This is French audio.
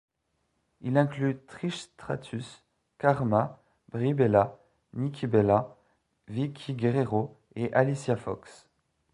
Il inclut Trish Stratus, Kharma, Brie Bella, Nikki Bella, Vickie Guerrero et Alicia Fox.